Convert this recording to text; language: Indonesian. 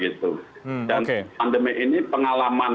dan pandemi ini pengalaman